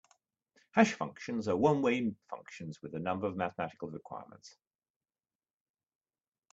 Hash functions are one-way functions with a number of mathematical requirements.